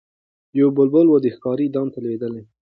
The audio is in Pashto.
یو بلبل وو د ښکاري دام ته لوېدلی